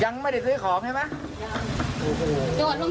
ยังไม่ได้เคยขอบใช่ไหมยัง